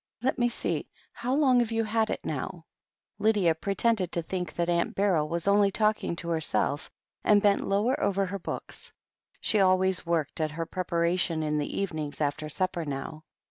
Let me see, how long have you had it now?" Lydia pretended to think that Aunt Beryl was only talking to herself, and bent lower over her books. She always worked at her preparation in the evenings after supper now.